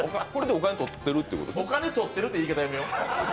お金取ってるって言い方やめよ。